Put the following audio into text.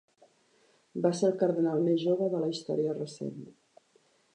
Va ser el cardenal més jove de la història recent.